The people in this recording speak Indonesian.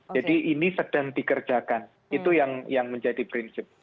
jadi ini sedang dikerjakan itu yang menjadi prinsip